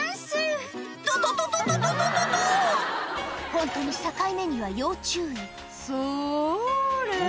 ホントに境目には要注意「それ」